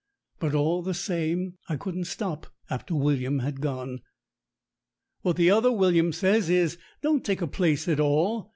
But all the same, I couldn't stop after William had gone. What the other William says is, don't take a place at all.